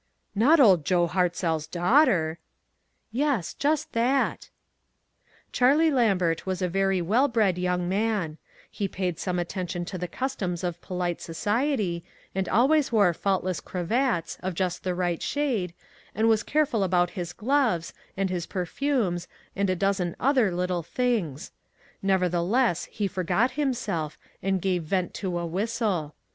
"Not old Joe Hartzell's daughter!" "Yes, just that." Charlie Lambert was a very well bred young man ; he paid some attention to the customs of polite society, and always wore faultless cravats, of just the right shade, and was careful about his gloves, and his perfumes, and a dozen other little tilings ; nevertheless, he forgot himself, and gave vent to a whistle.